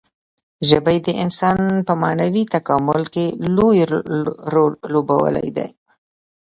ژبې د انسان په معنوي تکامل کې لوی رول لوبولی دی.